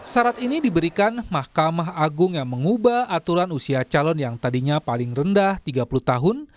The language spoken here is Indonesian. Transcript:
syarat ini diberikan mahkamah agung yang mengubah aturan usia calon yang tadinya paling rendah tiga puluh tahun